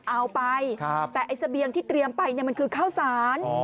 เอาไปแต่ไอ้เสบียงที่เตรียมไปมันคือข้าวสาร